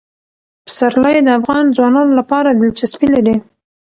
پسرلی د افغان ځوانانو لپاره دلچسپي لري.